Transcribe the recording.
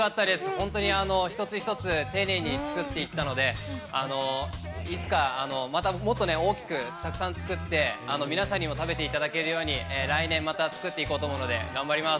本当に一つ一つ丁寧に作っていったので、いつかもっと大きく、たくさん作って皆さんにも食べていただけるように、来年また作っていこうと思うので、頑張ります。